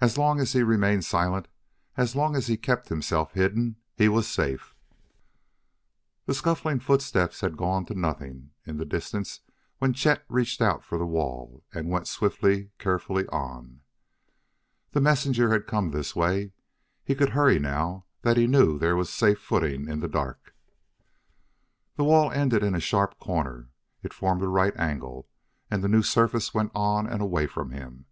As long as he remained silent, as long as he kept himself hidden, he was safe. The scuffling footsteps had gone to nothing in the distance when Chet reached out for the wall and went swiftly, carefully, on. The messenger had come this way; he could hurry now that he knew there was safe footing in the dark. The wall ended in a sharp corner; it formed a right angle, and the new surface went on and away from him.